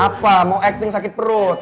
apa mau acting sakit perut